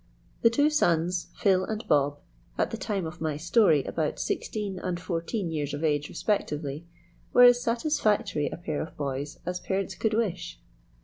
The two sons, Phil and Bob, at the time of my story about sixteen and fourteen years of age respectively, were as satisfactory a pair of boys as parents could wish.